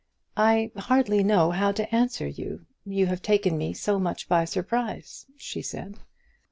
"I hardly know how to answer you, you have taken me so much by surprise," she said.